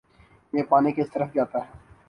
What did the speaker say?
یہ پانی کس طرف جاتا ہے